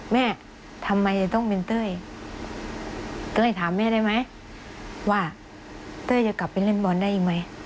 แม่ทำไมจะต้องเป็นเต้ยเต้ยถามแม่ได้ไหมว่าเต้ยจะกลับไปเล่นบอลได้อีกไหม